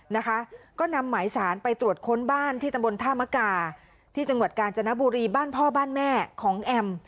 นะคะก็นำหมายสารไปตรวจค้นบ้านที่ตำบลท่ามกาที่จังหวัดกาญจนบุรีบ้านพ่อบ้านแม่ของแอม